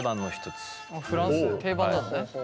フランスで定番なのね。